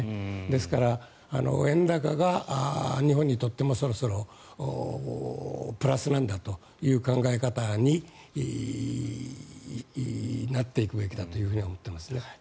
ですから、円高が日本にとってもそろそろプラスなんだという考え方になっていくべきだと思っていますね。